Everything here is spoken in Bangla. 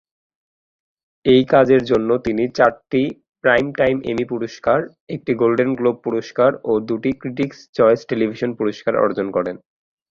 এই কাজের জন্য তিনি চারটি প্রাইমটাইম এমি পুরস্কার, একটি গোল্ডেন গ্লোব পুরস্কার ও দুটি ক্রিটিকস চয়েস টেলিভিশন পুরস্কার অর্জন করেন।